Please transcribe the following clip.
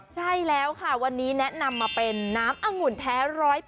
ใช่แล้วค่ะวันนี้แนะนำมาเป็นน้ำองุ่นแท้๑๐๐